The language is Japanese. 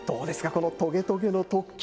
このトゲトゲの突起。